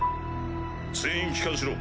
全員帰艦しろ。